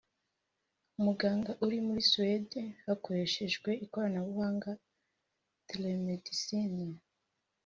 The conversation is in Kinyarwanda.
muganga ari muri Suede hakoreshejwe ikoranabuhanga(telemedicine)